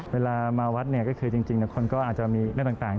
เวลามาวัดจริงคนก็อาจจะมีเรื่องต่าง